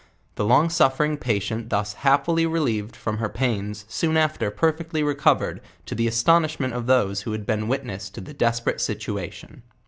The long suffering patient thus happily relieved from her pains, soon after perfectly recovered, to the astonishment of those who had been witnesses to the desperate situation.